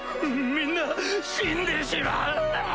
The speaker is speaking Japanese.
みんな死んでしまう！